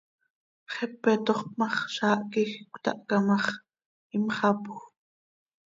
Xepe tooxp ma x, zaah quij cötahca ma x, imxapjö.